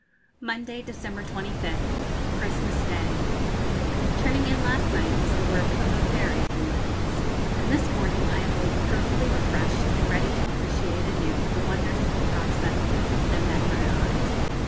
Monday, December 25th (Christmas Day). Turning in last night was the work of a very few minutes, and this morning I awoke perfectly refreshed and ready to appreciate anew the wonders of the prospect that met my eyes.